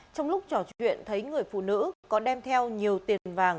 trong lúc trò chuyện thấy người phụ nữ có đem theo nhiều tiền vàng